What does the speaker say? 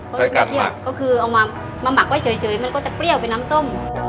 ใช้การหมักก็คือเอามามาหมักไว้เฉยมันก็จะเปรี้ยวเป็นน้ำส้ม